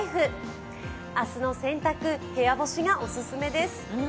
明日の洗濯、部屋干しがお勧めです。